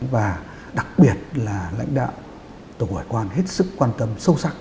và đặc biệt là lãnh đạo tổng hải quan hết sức quan tâm sâu sắc